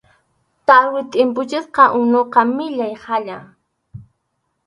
Tarwi tʼimpuchisqa unuqa millay haya.